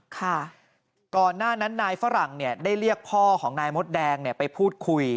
ก่อนหน้านั้นนายฝรั่งเนี่ยได้เรียกพ่อของนายมดแดงเนี่ยไปพูดคุย